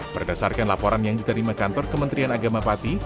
berdasarkan laporan yang diterima kantor kementerian agama pati